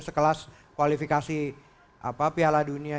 sekelas kualifikasi piala dunia